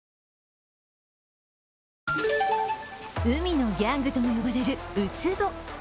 海のギャングとも呼ばれるウツボ。